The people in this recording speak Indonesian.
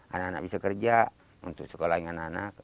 anak anak bisa kerja untuk sekolah dengan anak anak